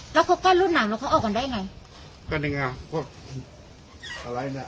แล้วเขากั้นรุ่นหนังแล้วเขาเอากันได้ไงก็นี่ไงพวกอะไรเนี้ย